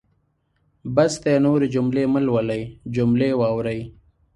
بس دی نورې جملې مهلولئ جملې واورئ.